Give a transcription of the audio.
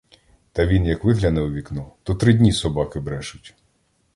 Та він як вигляне у вікно, то три дні собаки брешуть!